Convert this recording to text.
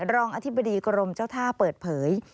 รองอธิบดีกรมเจ้าท่าเปิดเผย